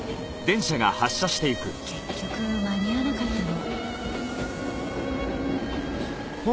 結局間に合わなかったの。